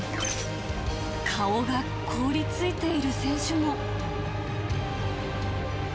顔が凍りついている選手も。